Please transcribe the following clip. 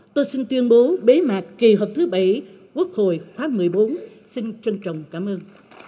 tôi xin tuyên bố bế mạc kỳ họp thứ bảy quốc hội khóa một mươi bốn xin trân trọng cảm ơn